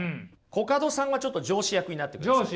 コカドさんはちょっと上司役になってください。